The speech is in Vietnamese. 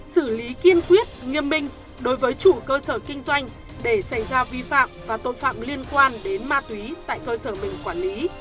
xử lý kiên quyết nghiêm minh đối với chủ cơ sở kinh doanh để xảy ra vi phạm và tội phạm liên quan đến ma túy tại cơ sở mình quản lý